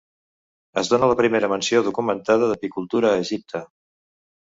Es dóna la primera menció documentada d'apicultura a Egipte.